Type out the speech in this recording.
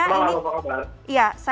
selamat malam apa kabar